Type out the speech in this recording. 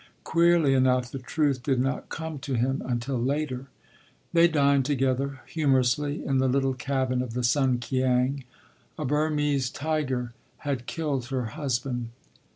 Queerly enough the truth did not come to him until later. They dined together humorously in the little cabin of the Sunkiang.... A Burmese tiger had killed her husband.